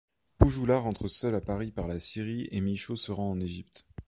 Poujoulat rentre seul à Paris par la Syrie et Michaud se rend en Égypte.